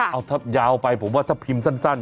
เอายาวไปผมว่าถ้าพิมพ์สั้น